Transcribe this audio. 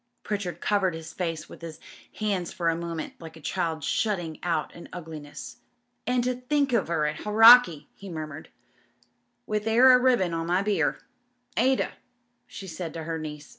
Pritchard covered his face with his hands for a moment, like a child shutting out an ugliness. "And to think of her at Haurakil" he murmured — "with *er 'air ribbon on my beer. *Ada,' she said to her niece